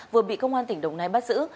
vừa bị công an tỉnh đồng nai bắt giữ